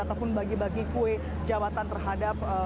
ataupun bagi bagi kue jawatan terhadap